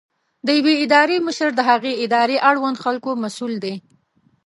د یوې ادارې مشر د هغې ادارې اړوند خلکو مسؤل دی.